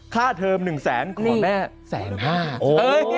ค่าเทอม๑๐๐บาทของแม่๑๕๐๐๐๐บาทครับโอ้